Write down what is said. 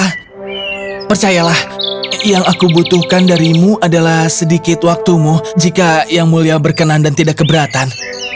ah percayalah yang aku butuhkan darimu adalah sedikit waktumu jika yang mulia berkenan dan tidak keberatan